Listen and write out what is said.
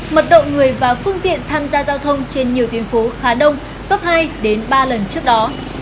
mật độ người và phương tiện tham gia giao thông trên nhiều tuyến phố khá đông cấp hai đến ba lần trước đó